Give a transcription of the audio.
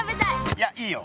いやいいよ。